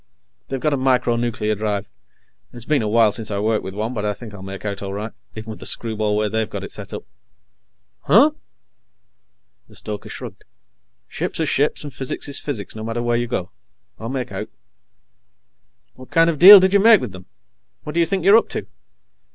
They've got a micro nuclear drive. It's been a while since I worked with one, but I think I'll make out all right, even with the screwball way they've got it set up." "Huh?" The stoker shrugged. "Ships are ships, and physics is physics, no matter where you go. I'll make out." "What kind of a deal did you make with them? What do you think you're up to?"